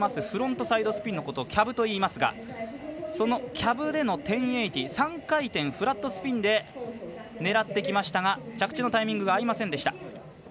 フロントサイドスピンのことをキャブといいますがそのキャブでの１０８０３回転、フラットスピンで狙ってきましたが着地のタイミングが合いませんでした。